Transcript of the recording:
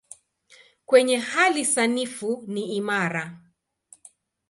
Kwenye hali sanifu ni imara.